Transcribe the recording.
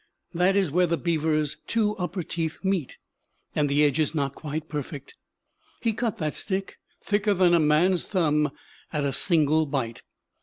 That is where the beaver's two upper teeth meet, and the edge is not quite perfect. He cut that stick, thicker than a man's thumb, at a single bite.